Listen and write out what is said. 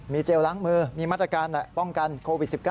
เจลล้างมือมีมาตรการป้องกันโควิด๑๙